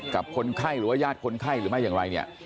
กับคนไข้หรือว่าญาติคนไข้หรือไม่อย่างไรเนี่ย